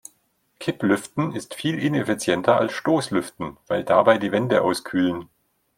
Kipplüften ist viel ineffizienter als Stoßlüften, weil dabei die Wände auskühlen.